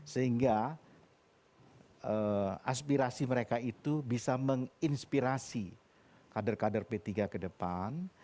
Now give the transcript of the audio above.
sehingga aspirasi mereka itu bisa menginspirasi kader kader p tiga ke depan